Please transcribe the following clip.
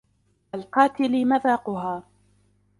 الْقَاتِلِ مَذَاقُهَا